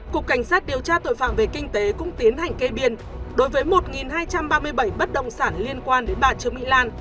cục cảnh sát điều tra tội phạm về kinh tế cũng tiến hành kê biên đối với một hai trăm ba mươi bảy bất động sản liên quan đến bà trương mỹ lan